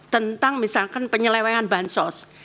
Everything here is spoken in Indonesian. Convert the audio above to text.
tentang misalkan penyelewengan bahan sos